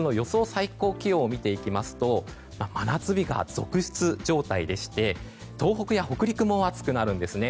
最高気温を見ていきますと真夏日が続出状態でして東北や北陸も暑くなるんですね。